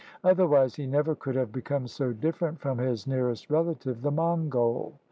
Otherwise he never could have become so different from his nearest relative, the Mongol.